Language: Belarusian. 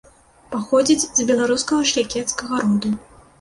Паходзіць з беларускага шляхецкага роду.